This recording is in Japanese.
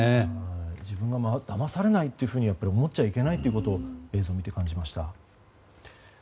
自分はだまされないと思っちゃいけないということを映像を見て感じました。